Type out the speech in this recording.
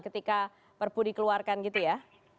ketika perpu dikeluarkan gitu ya